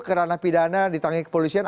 kerana pidana ditangani kepolisian